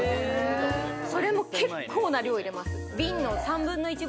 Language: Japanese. それも結構な量に入れます。